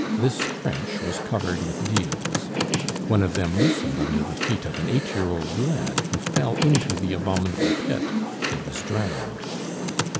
This trench was covered with deals. One of them loosened under the feet of an eight year old lad, who fell into the abominable pit and was drowned.